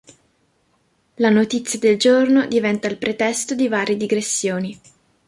La notizia del giorno diventa il pretesto di varie digressioni.